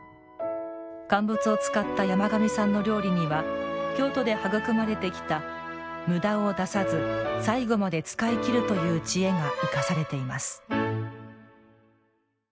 乾物を使った山上さんの料理には京都で育まれてきた「むだを出さず、最後まで使いきる」という知恵が生かされています。